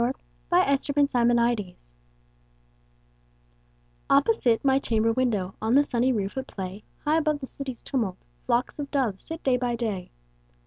Louisa May Alcott My Doves OPPOSITE my chamber window, On the sunny roof, at play, High above the city's tumult, Flocks of doves sit day by day.